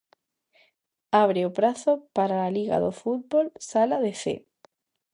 Abre o prazo para a liga de fútbol sala de Cee.